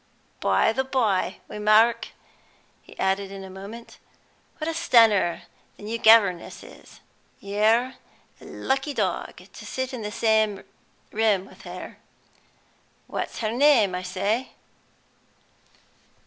"By the by, Waymark," he added in a moment, "what a stunner the new governess is! You're a lucky dog, to sit in the same room with her. What's her name, I say?"